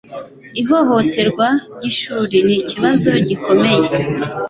Ihohoterwa ryishuri nikibazo gikomeye